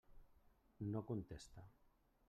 No contesta.